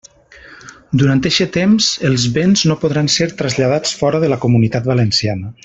Durant eixe temps, els béns no podran ser traslladats fora de la Comunitat Valenciana.